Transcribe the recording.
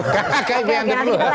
kib yang diperluas